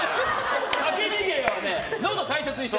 叫び芸はのどを大切にして。